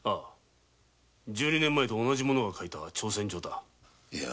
十二年前と同じ者が書いた挑戦状だ。